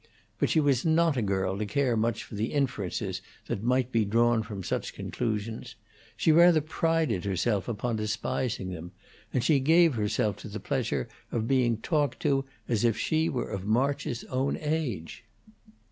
But she was not a girl to care much for the inferences that might be drawn from such conclusions; she rather prided herself upon despising them; and she gave herself to the pleasure of being talked to as if she were of March's own age.